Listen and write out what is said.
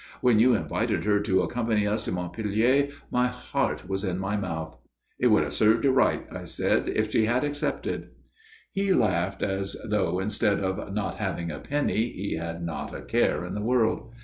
When you invited her to accompany us to Montpellier my heart was in my mouth." "It would have served you right," I said, "if she had accepted." He laughed as though, instead of not having a penny, he had not a care in the world.